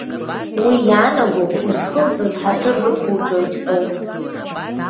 Уи иаанаго узхылҵыз ҳаҭыр рықәуҵоит ҳәоуп.